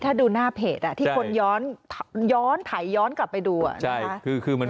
ถ้าดูหน้าเพจอ่ะที่คนย้อนย้อนถ่ายย้อนกลับไปดูอ่ะคือมัน